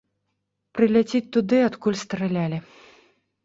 Прыляціць туды, адкуль стралялі.